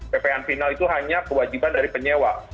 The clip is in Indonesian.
ppn final itu hanya kewajiban dari penyewa